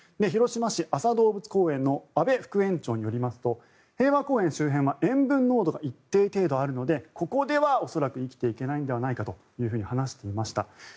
広島市安佐動物公園の阿部副園長によりますと平和公園周辺は塩分濃度が一定程度あるのでここでは恐らく生きていけないのではないかと話していました。